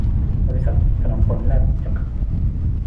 บริษัท ถนอมพลแลบ จำกัด